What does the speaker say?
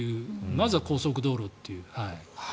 まずは高速道路っていう。